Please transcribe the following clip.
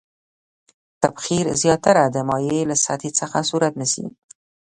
تبخیر زیاتره د مایع له سطحې څخه صورت نیسي.